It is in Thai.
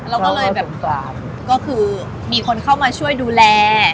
เราก็เลยแบบก็คือมีคนเข้ามาช่วยดูแล